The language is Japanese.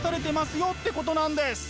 よってことなんです！